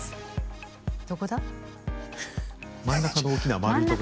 どこだ？